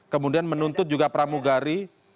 kemudian menuntut juga pramugari